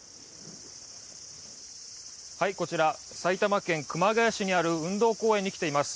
こちら埼玉県熊谷市にある運動公園に来ています。